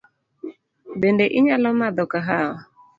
Bende inyalo madho kahawa?